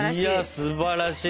すばらしい。